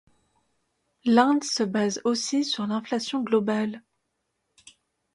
L'Inde se base aussi sur l'inflation globale.